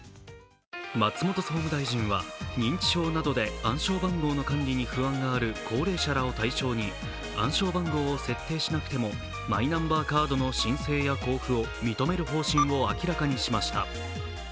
松本総務大臣は認知症などで暗証番号の管理に不安がある高齢者らを対象に暗証番号を設定しなくてもマイナンバーカードの申請や交付を認める方針を明らかにしました。